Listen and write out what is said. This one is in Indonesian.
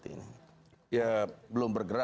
tapi justru di pan ada yang berbeda